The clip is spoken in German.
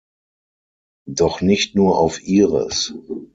Doch nicht nur auf ihres.